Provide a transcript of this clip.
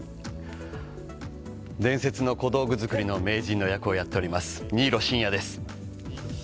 伝説の小道具作りの名人の役をやっています新納慎也です。